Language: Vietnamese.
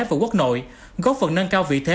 và quốc nội góp phần nâng cao vị thế